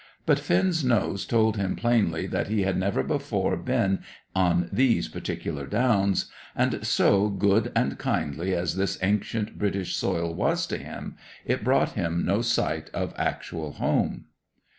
But Finn's nose told him plainly that he had never before been on these particular Downs. And so, good and kindly as this ancient British soil was to him, it brought him no sight of actual home.